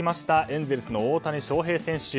エンゼルスの大谷翔平選手。